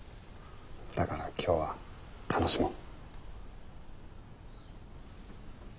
だから今日は楽しもう。